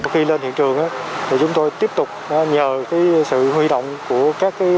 khi lên hiện trường chúng tôi tiếp tục nhờ sự huy động của các lực lượng